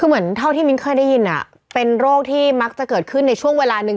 คือเหมือนเท่าที่มิ้นเคยได้ยินเป็นโรคที่มักจะเกิดขึ้นในช่วงเวลาหนึ่ง